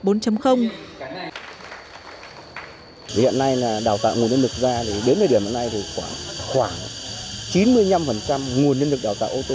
vì hiện nay là đào tạo nguồn nhân lực ra đến nơi điểm hiện nay thì khoảng chín mươi năm nguồn nhân lực đào tạo ô tô